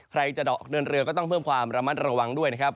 ใครจะออกเดินเรือก็ต้องเพิ่มความระมัดระวังด้วยนะครับ